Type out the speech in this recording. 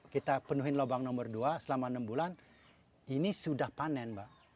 kita penuhin lubang nomor dua selama enam bulan ini sudah panen mbak